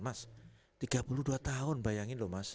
mas tiga puluh dua tahun bayangin loh mas